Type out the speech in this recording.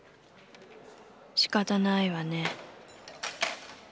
しかたないわね。